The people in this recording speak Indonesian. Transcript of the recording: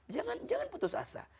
jangan jangan putus asa